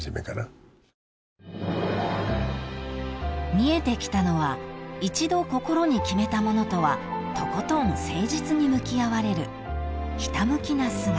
［見えてきたのは一度心に決めたものとはとことん誠実に向き合われるひた向きな姿］